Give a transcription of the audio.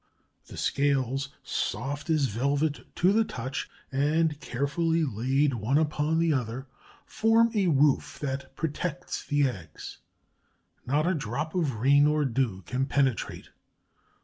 The scales, soft as velvet to the touch and carefully laid one upon the other, form a roof that protects the eggs. Not a drop of rain or dew can penetrate.